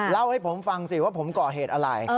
เล่าให้ผมฟังสิว่าผมก่อเหตุอะไร